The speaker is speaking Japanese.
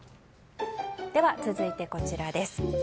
続いてこちらです。